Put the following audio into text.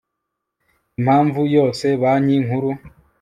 impamvu yose banki nkuru